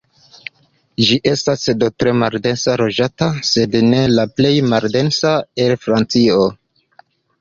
Ĝi estas do tre maldense loĝata, sed ne la plej maldensa el Francio.